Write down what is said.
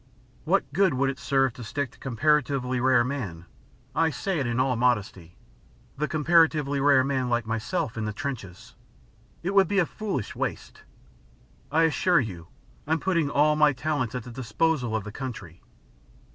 "What good would it serve to stick the comparatively rare man I say it in all modesty the comparatively rare man like myself in the trenches? It would be foolish waste. I assure you I'm putting all my talents at the disposal of the country."